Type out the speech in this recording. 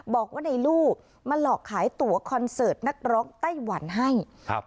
บอกว่าในลูกมาหลอกขายตัวคอนเสิร์ตนักร้องไต้หวันให้ครับ